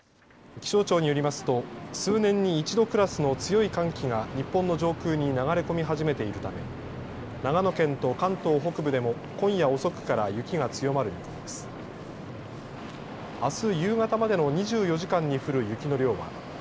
気象庁によりますと数年に一度クラスの強い寒気が日本の上空に流れ込み始めているため長野県と関東北部でも今夜遅くから雪が強まる見込みです。